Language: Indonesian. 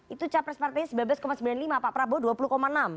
itu capres partainya sembilan belas sembilan puluh lima pak prabowo dua puluh enam